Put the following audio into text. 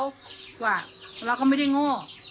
เพราะเราก็ไม่ได้โง่